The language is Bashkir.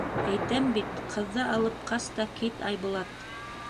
Әйтәм бит, ҡыҙҙы алып ҡас та кит, Айбулат.